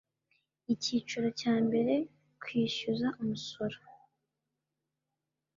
icyiciro cya mbere kwishyuza umusoro